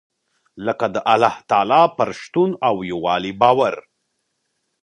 لکه د الله تعالٰی پر شتون او يووالي باور .